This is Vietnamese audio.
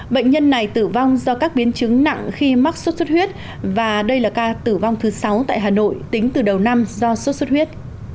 bệnh nhân này tử vong do các biến chứng nặng khi mắc sốt xuất huyết và đây là ca tử vong thứ sáu tại hà nội tính từ đầu năm do sốt xuất huyết